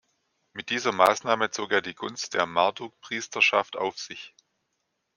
Mit dieser Maßnahme zog er die Gunst der Marduk-Priesterschaft auf sich.